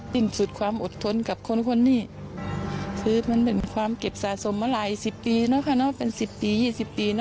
ปิ่งสุดความอดทนกับคนนี่มันเป็นความเก็บสะสมลาย๑๐ปีเป็น๑๐ปี๒๐ปี